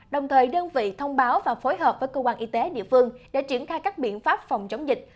đồng thời đơn vị thông báo và phối hợp với cơ quan y tế địa phương để triển khai các biện pháp phòng chống dịch